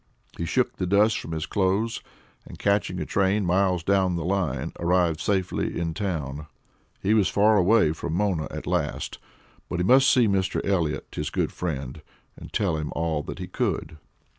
He shook the dust from his clothes and, catching a train miles down the line, arrived safely in town. He was far away from Mona at last, but he must see Mr. Elliott, his good friend, and tell him all that he could.